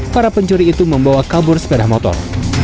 para pencuri itu membawa kabur sepeda motor